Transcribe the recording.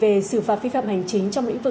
về xử phạt vi phạm hành chính trong lĩnh vực